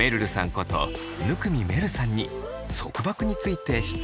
こと生見愛瑠さんに束縛について質問が。